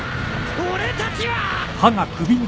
俺たちは！